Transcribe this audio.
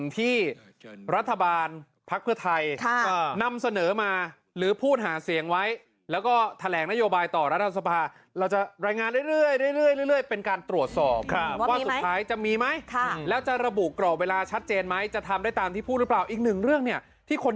ที่คนอยากรู้จะทำได้จริงเหรอ